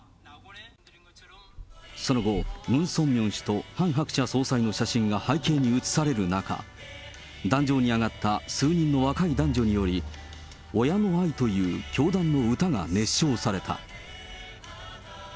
その後、ムン・ソンミョン氏とハン・ハクチャ総裁の写真が背景に映される中、壇上に上がった数人の若い男女により、親の愛という教団の歌が熱唱された。